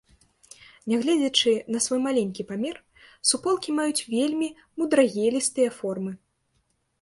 Нягледзячы на свой маленькі памер, суполкі маюць вельмі мудрагелістыя формы.